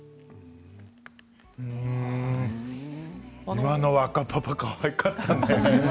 今の若パパかわいかったね。